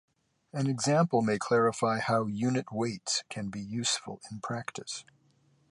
An example may clarify how unit weights can be useful in practice.